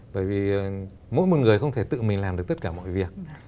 bởi vì mỗi một người không thể tự mình làm được tất cả mọi việc